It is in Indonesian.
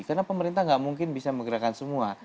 karena pemerintah nggak mungkin bisa menggerakkan semua